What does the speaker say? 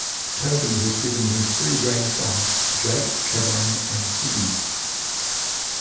Toby has given him three grandsons, Jake, Cameron and Ziggy.